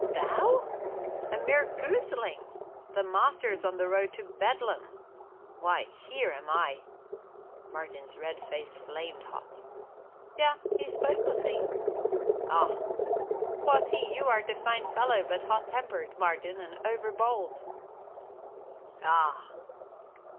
"Thou? A mere gooseling? The master's on the road to Bedlam! Why here am I " Martin's red face flamed hot. "Yea, he spoke of thee." "Ah!" "Quoth he, thou art a fine fellow, but hot tempered, Martin, and overbold." "Ah!"